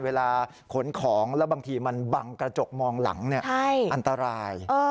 เวลาขนของแล้วบางทีมันบังกระจกมองหลังอันตราย